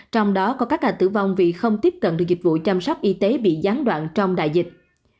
trong đó có các ca tử vong vì không tiếp cận được dịch vụ chăm sóc y tế bị gián đoạn trong đại dịch